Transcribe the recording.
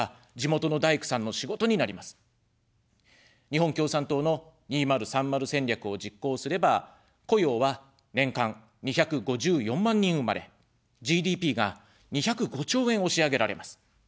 「日本共産党の２０３０戦略」を実行すれば、雇用は年間２５４万人生まれ、ＧＤＰが２０５兆円押し上げられます。